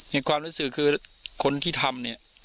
ในความรู้สึกคือคนที่ทำ